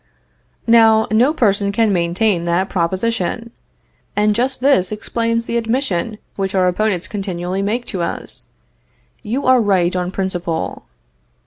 Now, no person can maintain that proposition. And just this explains the admission which our opponents continually make to us: "You are right on principle."